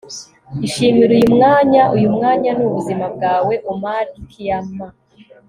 ishimire uyu mwanya. uyu mwanya ni ubuzima bwawe. - omar khayyam